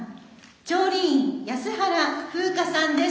調理員安原風花さんです。